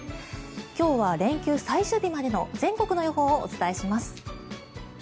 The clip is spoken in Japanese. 今日は連休最終日までの全国の予報をお伝えします。